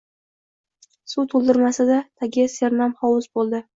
Suv to‘ldirilmasa-da, tagi sernam hovuz bo‘ldi.